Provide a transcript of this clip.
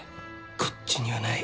こっちにはない。